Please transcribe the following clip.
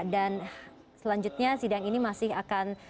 dan selanjutnya sidang ini masih akan